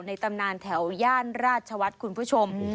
ตำนานแถวย่านราชวัฒน์คุณผู้ชม